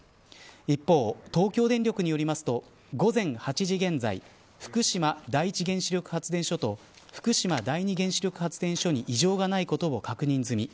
一方、東京電力によりますと午前８時現在福島第一原子力発電所と福島第二原子力発電所に異常がないことを確認済み。